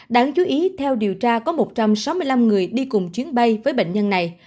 đáng chú ý theo điều tra có một trăm sáu mươi năm người đi cùng chuyến bay với bệnh nhân này